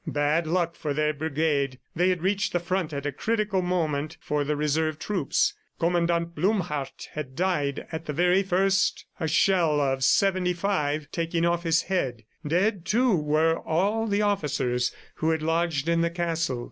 ... Bad luck for their brigade! They had reached the front at a critical moment for the reserve troops. Commandant Blumhardt had died at the very first, a shell of '75 taking off his head. Dead, too, were all the officers who had lodged in the castle.